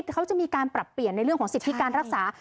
เขาจะมีการปรับเปลี่ยนในเรื่องของสิทธิการรักษา